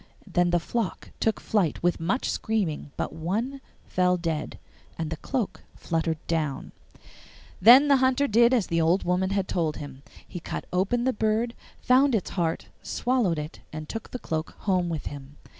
Then the flock took flight with much screaming, but one fell dead, and the cloak fluttered down. Then the Hunter did as the old woman had told him: he cut open the bird, found its heart, swallowed it, and took the cloak home with him.